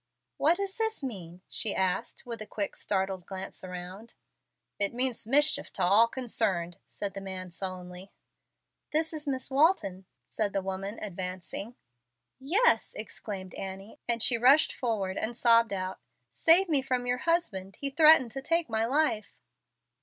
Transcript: "What does this mean?" she asked, with a quick, startled glance around. "It means mischief to all concerned," said the man, sullenly. "This is Miss Walton," said the woman, advancing. "Yes," exclaimed Annie, and she rushed forward and sobbed out, "save me from your husband; he threatened to take my life."